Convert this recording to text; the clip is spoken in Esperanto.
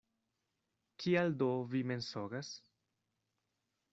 Kial do vi mensogas?